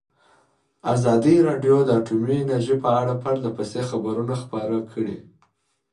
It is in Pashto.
ازادي راډیو د اټومي انرژي په اړه پرله پسې خبرونه خپاره کړي.